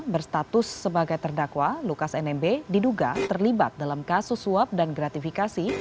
berstatus sebagai terdakwa lukas nmb diduga terlibat dalam kasus suap dan gratifikasi